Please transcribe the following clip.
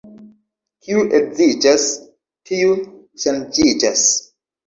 Kiu edziĝas, tiu ŝanĝiĝas.